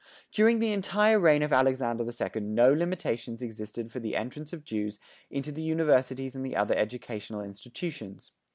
During the entire reign of Alexander II no limitations existed for the entrance of Jews into the Universities and the other educational institutions.